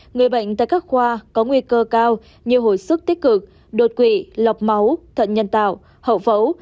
người bệnh tại các khoa có nguy cơ cao như hồi sức tích cực đột quỵ lọc máu thận nhân tạo hậu phẫu